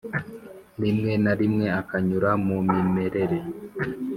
rimwe na rimwe akanyura mu mimerere